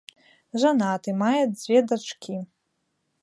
Жанаты, мае дзве дачкі.